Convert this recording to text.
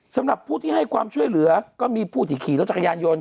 สำหรับผู้ที่ให้ความช่วยเหลือก็มีผู้ที่ขี่รถจักรยานยนต์